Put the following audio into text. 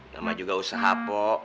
nama juga usaha pok